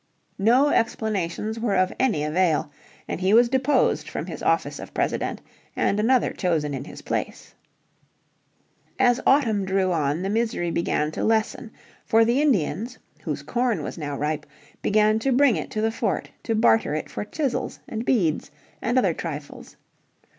No explanations were of any avail, and he was deposed from his office of President and another chosen in his place. As autumn drew on the misery began to lessen. For the Indians, whose corn was now ripe, began to bring it to the fort to barter it for chisels, and beads, and other trifles.